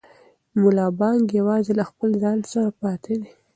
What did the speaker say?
ملا بانګ یوازې له خپل ځان سره پاتې دی.